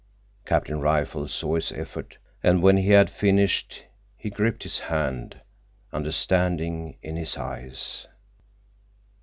Captain Rifle saw his effort, and when he had finished, he gripped his hand, understanding in his eyes.